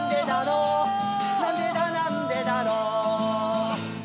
なんでだなんでだろう